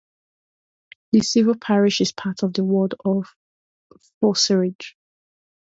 The civil parish is part of the ward of Fosseridge.